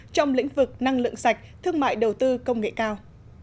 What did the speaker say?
trong lĩnh vực năng lượng sạch thương mại đầu tư công nghệ cao